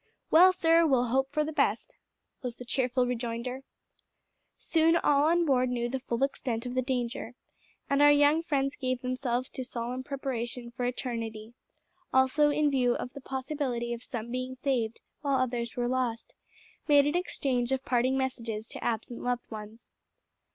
"Well, sir, we'll hope for the best," was the cheerful rejoinder. Soon all on board knew the full extent of the danger, and our young friends gave themselves to solemn preparation for eternity; also, in view of the possibility of some being saved while others were lost, made an exchange of parting messages to absent loved ones.